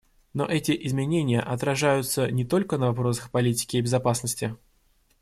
Но эти изменения отражаются не только на вопросах политики и безопасности.